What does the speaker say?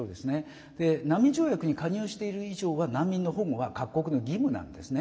難民条約に加入している以上は難民の保護は義務なんですね。